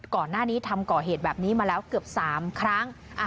ก่อนหน้านี้ทำก่อเหตุแบบนี้มาแล้วเกือบ๓ครั้ง